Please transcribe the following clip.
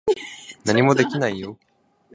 何もできないよ。